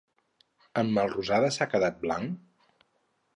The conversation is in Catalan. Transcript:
En Melrosada s'ha quedat blanc?